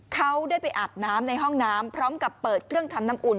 เขาได้ไปอาบน้ำในห้องน้ำพร้อมกับเปิดเครื่องทำน้ำอุ่น